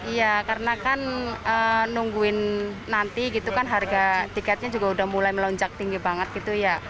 iya karena kan nungguin nanti gitu kan harga tiketnya juga udah mulai melonjak tinggi banget gitu ya